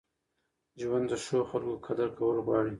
ژوند د ښو خلکو قدر کول غواړي.